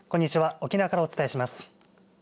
沖縄からお伝えします。